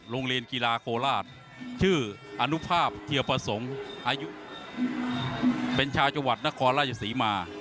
โรงเรียนกีฬาโคราชชื่ออนุภาพเทียประสงค์อายุเป็นชาวจังหวัดนครราชศรีมา